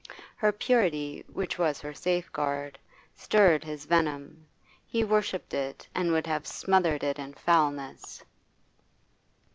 Her purity, which was her safeguard, stirred his venom; he worshipped it, and would have smothered it in foulness.